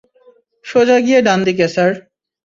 সোজা গিয়ে ডানদিকে, স্যার।